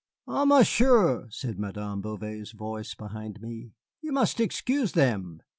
"Ah, Monsieur," said Madame Bouvet's voice behind me, "you must excuse them.